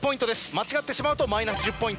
間違ってしまうとマイナス１０ポイント。